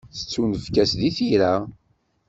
Tettunefk-as deg tira.